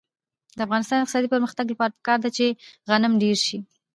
د افغانستان د اقتصادي پرمختګ لپاره پکار ده چې غنم ډېر شي.